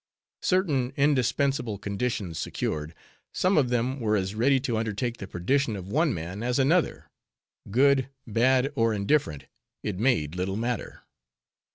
Certain indispensable conditions secured, some of them were as ready to undertake the perdition of one man as another; good, bad, or indifferent, it made little matter.